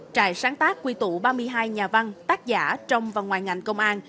trại sáng tác quy tụ ba mươi hai nhà văn tác giả trong và ngoài ngành công an